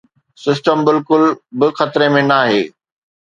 ’System‘ بلڪل به خطري ۾ ناهي.